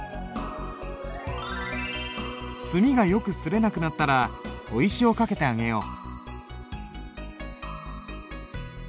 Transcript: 墨がよくすれなくなったら砥石をかけてあげよう。